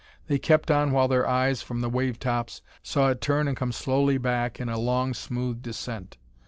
They kept on while their eyes, from the wave tops, saw it turn and come slowly back in a long smooth descent.